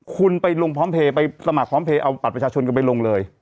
คุณไปลงพร้อมเพลย์ไปสมัครพร้อมเพลย์เอาบัตรประชาชนกันไปลงเลย